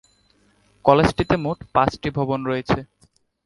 কলেজটিতে মোট পাঁচটি ভবন রয়েছে।